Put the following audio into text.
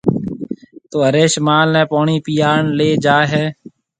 تو هريش مال نَي پوڻِي پِياڻ ليَ جائي هيَ۔